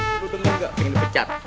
kamu bener ga pengen dipecat